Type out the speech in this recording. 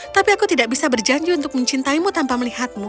tapi aku tidak bisa berjanji untuk mencintaimu tanpa melihatmu